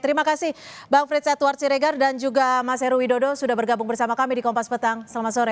terima kasih bang frits satward siregar dan juga mas heru widodo sudah bergabung bersama kami di kompas petang selamat sore